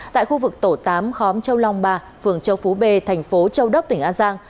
tại khu vực tổ tám khóm châu long ba phường châu phú b thành phố châu đốc tỉnh an giang